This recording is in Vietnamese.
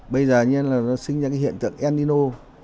bây giờ nó sinh ra hiện tượng endino